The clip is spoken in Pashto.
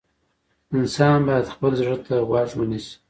انسان باید خپل زړه ته غوږ ونیسي.